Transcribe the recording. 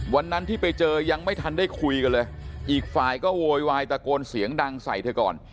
วันนั้นที่ไปเจอยังไม่ทันได้คุยกันเลยอีกฝ่ายก็โวยวายตะโกนเสียงดังใส่เธอก่อน